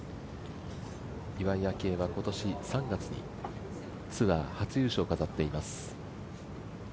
岩井明愛は今年３月にツアー初優勝を飾っています。